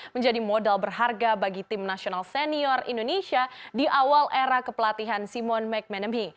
menjadi modal berharga bagi tim nasional senior indonesia di awal era kepelatihan simon mcmanamy